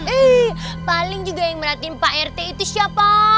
eh paling juga yang merhatiin pak rt itu siapa